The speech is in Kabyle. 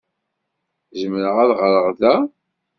Zemreɣ ad ɣreɣ da?